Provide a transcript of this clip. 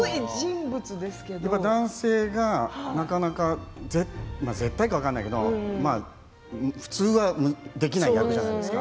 男性がなかなか絶対かは分からないけれど普通はできない役じゃないですか。